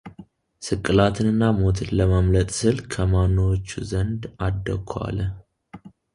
ስቅላትንና ሞትን ለማምለጥ ስል ከማኖዎቹ ዘንድ አደኩ አለ፡፡